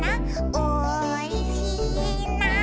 「おいしいな」